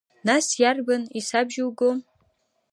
Нас, иарбан исабжьуго?